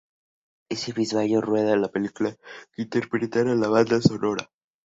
Ese mismo año rueda una película de la que interpretará la banda sonora.